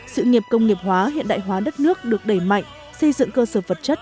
sự nghiệp công nghiệp hóa hiện đại hóa đất nước được đẩy mạnh xây dựng cơ sở vật chất